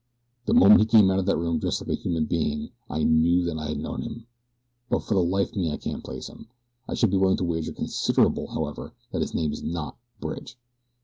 The moment he came out of that room dressed like a human being I knew that I had known him; but for the life of me I can't place him. I should be willing to wager considerable, however, that his name is not Bridge."